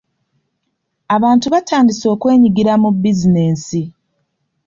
Abantu batandise okwenyigira mu bizinensi.